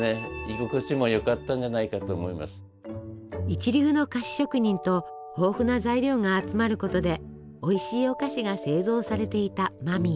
一流の菓子職人と豊富な材料が集まることでおいしいお菓子が製造されていた間宮。